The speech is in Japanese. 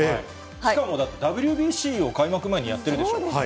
しかもだってＷＢＣを開幕前にやってるでしょ。